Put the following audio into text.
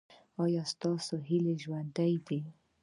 ایا ستاسو هیلې ژوندۍ دي؟